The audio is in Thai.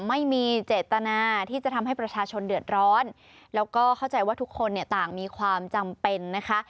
ไม่มีเจตนาที่จะทำให้ประชาชนเดือดร้อนแล้วก็เข้าใจว่าทุกคนเนี่ยต่างมีความจำเป็นนะคะ